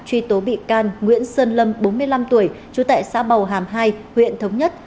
truy tố bị can nguyễn sơn lâm bốn mươi năm tuổi chú tại xã bầu hàm hai huyện thống nhất